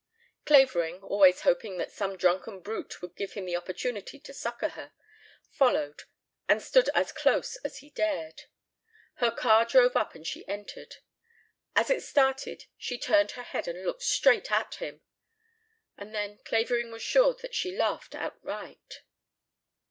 Clavering, always hoping that some drunken brute would give him the opportunity to succor her, followed and stood as close as he dared. Her car drove up and she entered. As it started she turned her head and looked straight at him. And then Clavering was sure that she laughed outright.